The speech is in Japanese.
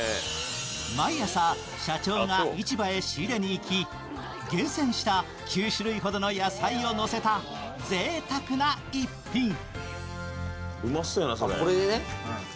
毎朝、社長が市場へ仕入れに行き、厳選した９種類ほどの野菜をのせたぜいたくな一品。